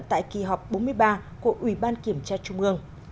tại kỳ họp bốn mươi ba của ủy ban kiểm tra trung ương